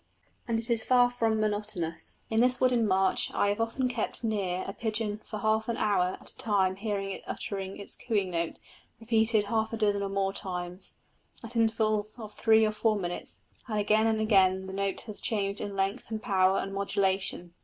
And it is far from monotonous. In this wood in March I have often kept near a pigeon for half an hour at a time hearing it uttering its cooing note, repeated half a dozen or more times, at intervals of three or four minutes; and again and again the note has changed in length and power and modulation.